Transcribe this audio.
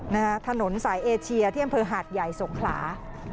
นะฮะถนนสายเอเชียที่อำเภอหาดใหญ่สงขลา